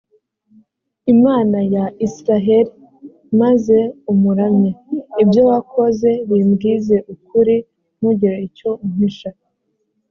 imana ya israheli, maze umuramye! ibyo wakoze bimbwize ukuri, ntugire icyo umpisha.